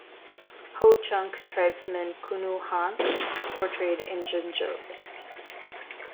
Ho-Chunk tribesman Kunu Hank portrayed Injun Joe.